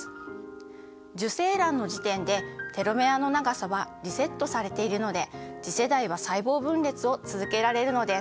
受精卵の時点でテロメアの長さはリセットされているので次世代は細胞分裂を続けられるのです。